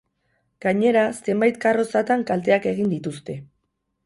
Gainera, zenbait karrozatan kalteak egin dituzte.